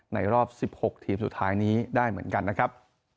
ในรอบ๑๖ทีมสุดท้ายนี้ได้เหมือนกันนะครับ